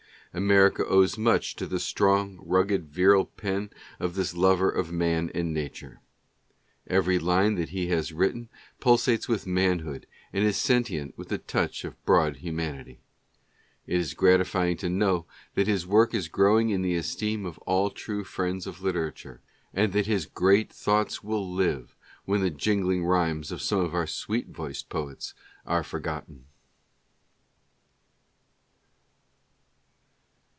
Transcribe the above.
America owes much to the strong, rugged, virile pen of this lover of Man and Nature. Every line that he has written pulsates with l :: COCKRILL— CHAMBERS— CURTIS— GILDER, ETC. 67 manhood, and is sentient with the touch of broad humanity. It is gratifying to know that his work is growing in the esteem of all true friends of literature, and that his great thoughts will live when the jingling rhymes of some of our sweet voiced poets are forgotten.